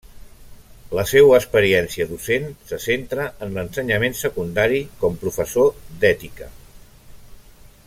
La seua experiència docent se centra en l'ensenyament secundari com professor d'Ètica.